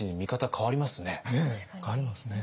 変わりますね。